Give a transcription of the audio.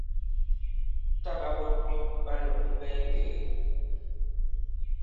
Tǎ ɓa ɓɔt myɔ ɓa lɔ̀mbu ɓɛɛ ŋgɛ̀gɛ̀.